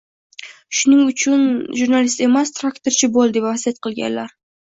Shuning uchun jurnalist emas, traktorchi bo’l, deb vasiyat qilganlar.